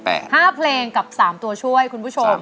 ๕เพลงกับ๓ตัวช่วยคุณผู้ชม